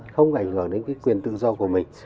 không ảnh hưởng đến cái quyền tự do của mình